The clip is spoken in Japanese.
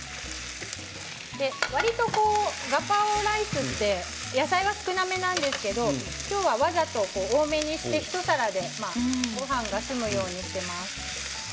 わりとガパオライスって野菜が少なめなんですけれど今日はわざと多めにして一皿でごはんが済むようにしています。